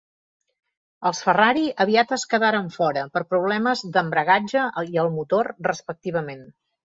Els Ferrari aviat es quedaren fora, per problemes a l'embragatge i al motor, respectivament.